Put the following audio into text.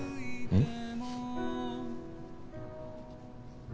うん？